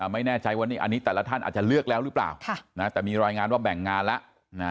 ไม่แน่ใจว่าอันนี้แต่ละท่านอาจจะเลือกแล้วหรือเปล่าแต่มีรายงานว่าแบ่งงานแล้ว